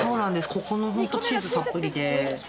ここのホントチーズたっぷりで。